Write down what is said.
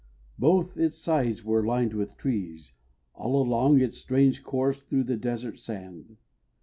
Both its sides were lined with trees All along its strange course through the desert sand.